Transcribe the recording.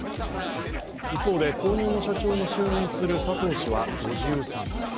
一方で、後任の社長に就任する佐藤氏は５３歳。